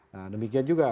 nah demikian juga